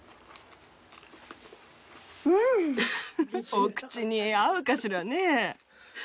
お口に合うかしらね。